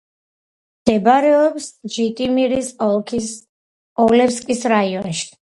მდებარეობს ჟიტომირის ოლქის ოლევსკის რაიონში.